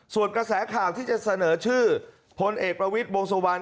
ส่วนกระแสข่าวที่จะเสนอชื่อพลเอกประวิทย์วงสุวรรณ